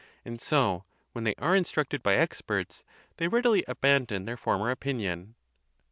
And so, when they are instructed by experts, they readily abandon their former opinion.